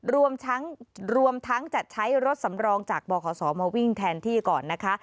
รวมทั้งรวมทั้งจะใช้รถสำรองจากบขศมาวิ่งแทนที่ก่อนนะคะ